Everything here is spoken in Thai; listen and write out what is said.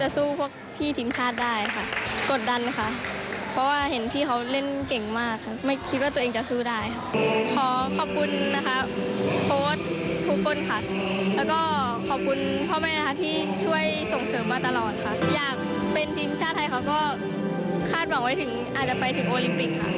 อยากเป็นทีมชาติไทยค่ะก็คาดหวังว่าอาจจะไปถึงโอลิมปิกค่ะ